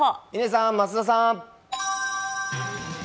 嶺さん、増田さん。